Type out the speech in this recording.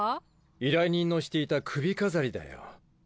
依頼人のしていた首飾りだよ。